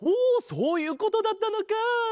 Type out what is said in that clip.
そういうことだったのか。